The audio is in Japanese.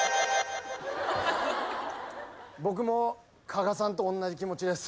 僕も加賀さんとおんなじ気持ちです。